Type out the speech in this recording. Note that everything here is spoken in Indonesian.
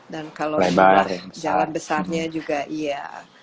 dan kalau jalan besarnya juga iya